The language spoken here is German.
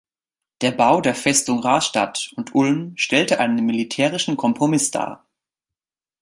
Der Bau der Festungen Rastatt und Ulm stellte einen militärischen Kompromiss dar.